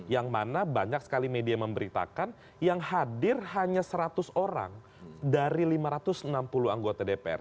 yang mana banyak sekali media memberitakan yang hadir hanya seratus orang dari lima ratus enam puluh anggota dpr